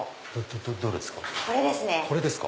どれですか？